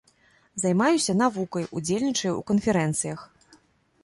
Займаюся навукай, удзельнічаю ў канферэнцыях.